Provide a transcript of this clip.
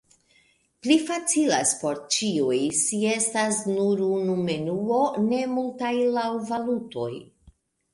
Pli facilas por ĉiuj, se estas nur unu menuo, ne multaj laŭ valutoj.